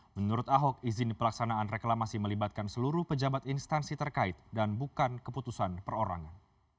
menurut ahok izin pelaksanaan reklamasi melibatkan seluruh pejabat instansi terkait dan bukan keputusan perorangan